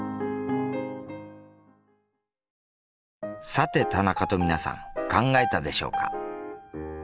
さて田中と皆さん考えたでしょうか？